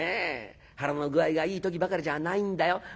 腹の具合がいい時ばかりじゃないんだよ。